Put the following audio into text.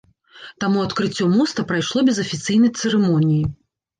Таму адкрыццё моста прайшло без афіцыйнай цырымоніі.